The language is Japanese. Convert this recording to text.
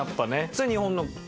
それ日本の方？